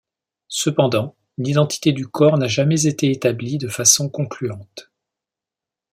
Cependant, l'identité du corps n'a jamais été établie de façon concluante.